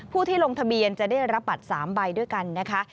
ผู้ที่ลงทะเบียนจะได้รับบัตร๓ใบด้วยกันนะคะ